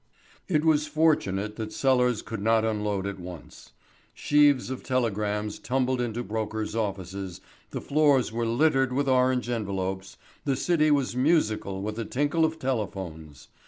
It was fortunate that sellers could not unload at once. Sheaves of telegrams tumbled into brokers' offices, the floors were littered with orange envelopes, the City was musical with the tinkle of telephones.